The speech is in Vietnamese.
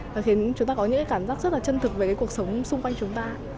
và khiến chúng ta có những cái cảm giác rất là chân thực về cái cuộc sống xung quanh chúng ta